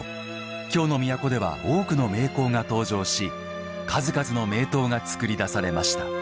京の都では多くの名工が登場し数々の名刀が作り出されました。